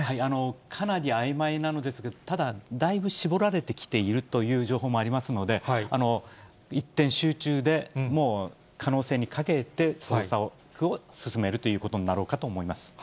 かなりあいまいなのですが、ただ、だいぶしぼられてきているという情報もありますので、一点集中で、もう可能性にかけて捜索を進めるということになろうかと思います。